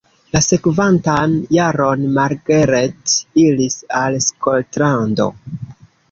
La sekvantan jaron Margaret iris al Skotlando.